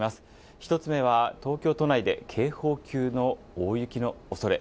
１つ目は東京都内で警報級の大雪の恐れ。